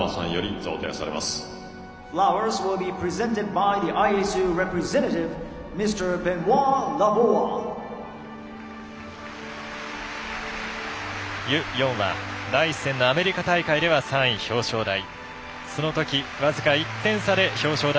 ユ・ヨンは第１戦のアメリカ大会では３位表彰台。